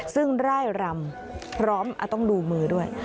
ซึ่งร่ายรำพร้อมต้องดูมือด้วย